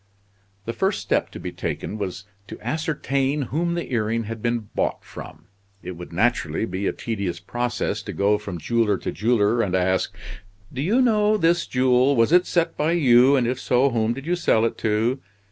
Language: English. The first step to be taken was to ascertain whom the earring had been bought from. It would naturally be a tedious process to go from jeweler to jeweler and ask: "Do you know this jewel, was it set by you, and if so whom did you sell it to?"